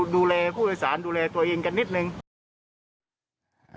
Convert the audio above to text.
ดูแลผู้โดยสารดูแลตัวเองกันนิดนึง